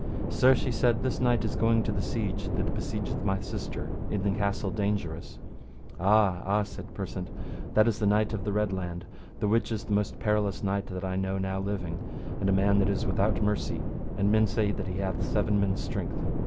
Sir, she said, this knight is going to the siege that besiegeth my sister in the Castle Dangerous. Ah, ah, said Persant, that is the Knight of the Red Laund, the which is the most perilous knight that I know now living, and a man that is without mercy, and men say that he hath seven men's strength.